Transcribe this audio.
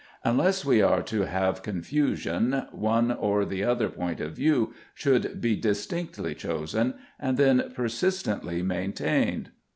Unless we are to have con fusion, one or the other point of view should be distinctly chosen, and then persistently maintained.